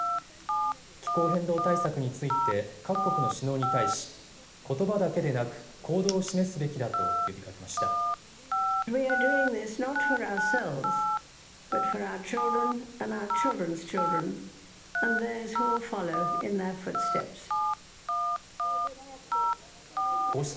気候変動対策について各国の首脳に対しことばだけでなく行動を示すべきだと呼びかけました。